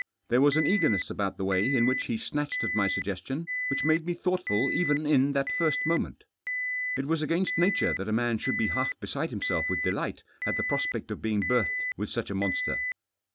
There was an eager ness afcout the way in which he snatched at my suggestion which made me thonghtful even in that first moment It was against nature that a man should ]>e half beside himself with delight at the prospect pf being berthed with such a monster.